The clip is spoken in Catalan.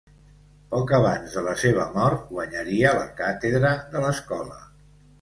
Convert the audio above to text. Poc abans de la seva mort guanyaria la càtedra de l'escola.